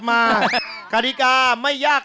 กลับเข้าสู่รายการออบาตอร์มาหาสนุกกันอีกครั้งครับ